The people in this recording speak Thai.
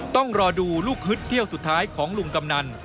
ต้องรอดูลูกฮึดเที่ยวสุดท้ายของลุงกำนัน